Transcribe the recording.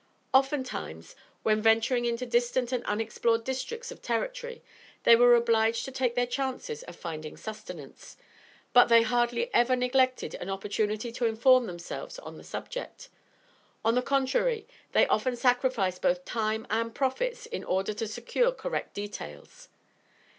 Oftentimes, when venturing into distant and unexplored districts of territory they were obliged to take their chances of finding sustenance; but, they hardly ever neglected an opportunity to inform themselves on the subject: on the contrary, they often sacrificed both time and profits in order to secure correct details.